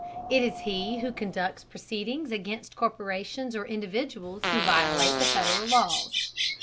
It is he who conducts proceedings against corporations or individuals who violate the Federal laws.